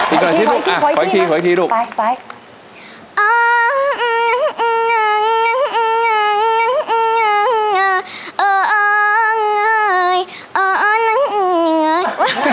อีกหน่อย